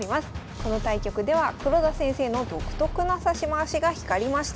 この対局では黒田先生の独特な指し回しが光りました。